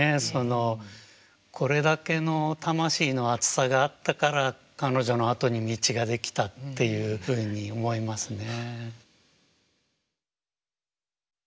これだけの魂の熱さがあったから彼女のあとに道が出来たっていうふうに思いますね。